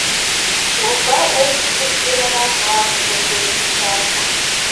Лука ончычсыж семынак мландыш ончен шинча.